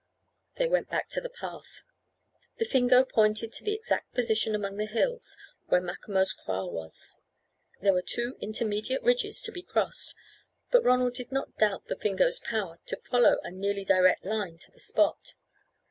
They went back to the path. The Fingo pointed to the exact position among the hills where Macomo's kraal was. There were two intermediate ridges to be crossed, but Ronald did not doubt the Fingo's power to follow a nearly direct line to the spot.